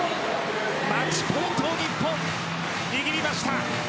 マッチポイント日本、握りました。